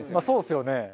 そうですよね。